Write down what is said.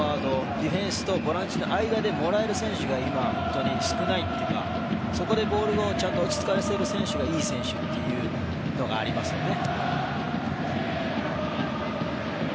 ディフェンスとボランチの間でもらえる選手が今、本当に少ないのでそこでボールを落ち着かせられる選手がいい選手っていうのがありますね。